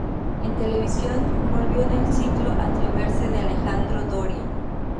En televisión volvió en el ciclo "Atreverse" de Alejandro Doria.